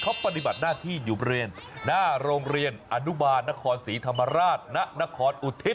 เขาปฏิบัติหน้าที่อยู่บริเวณหน้าโรงเรียนอนุบาลนครศรีธรรมราชณนครอุทิศ